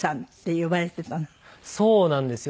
そうなんですよ。